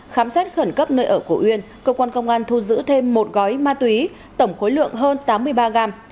khám xét khẩn cấp nơi ở của uyên cơ quan công an thu giữ thêm một gói ma túy tổng khối lượng hơn tám mươi ba gram